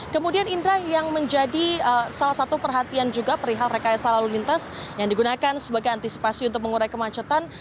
kemudian indra yang menjadi salah satu perhatian juga perihal rekayasa lalu lintas yang digunakan sebagai antisipasi untuk mengurai kemacetan